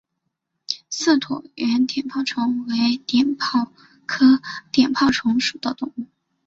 似椭圆碘泡虫为碘泡科碘泡虫属的动物。